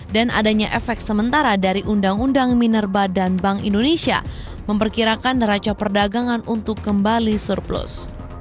dan adanya efek sementara dari undang undang minerba dan bank indonesia memperkirakan raca perdagangan untuk kembali surplus